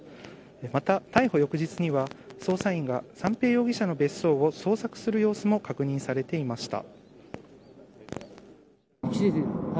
また、逮捕翌日には捜査員が三瓶容疑者の別荘を捜索する様子も確認されていました。